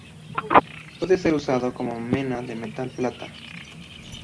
Puede ser usado como mena del metal plata.